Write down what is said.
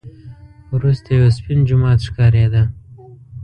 وروسته یو سپین جومات ښکارېده.